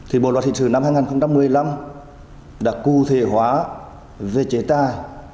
thì bộ luật hình sự năm hai nghìn một mươi năm đã cụ thể hóa về chế tài